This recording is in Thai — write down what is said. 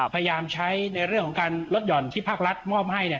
พยายามใช้ในเรื่องของการลดหย่อนที่ภาครัฐมอบให้